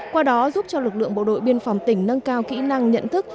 qua đó giúp cho lực lượng bộ đội biên phòng tỉnh nâng cao kỹ năng nhận thức